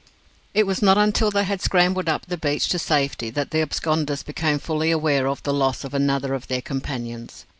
It was not until they had scrambled up the beach to safety that the absconders became fully aware of the loss of another of their companions.